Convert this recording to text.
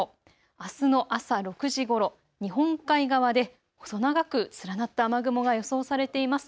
あすの朝６時ごろ、日本海側で細長く連なった雨雲が予想されています。